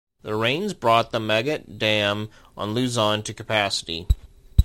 The rains brought the Magat Dam on Luzon to capacity.